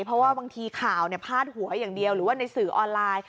เพราะว่าบางทีข่าวพาดหัวอย่างเดียวหรือว่าในสื่อออนไลน์